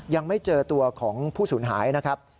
ยังไม่เจอตัวของผู้สูญหายนะครับ